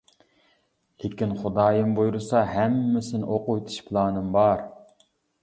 لېكىن خۇدايىم بۇيرۇسا ھەممىسىنى ئوقۇۋېتىش پىلانىم بار.